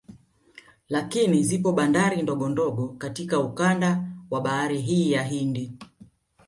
Lakini zipo bandari ndogo ndogo katika ukanda wa bahari hii ya Hindi